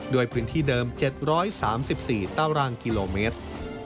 ด้วยพื้นที่เดิม๗๓๔ตารางกิโลเมตร